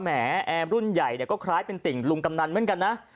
แหมแอร์รุ่นใหญ่เนี่ยก็คล้ายเป็นติ่งลุงกำนันเหมือนกันนะ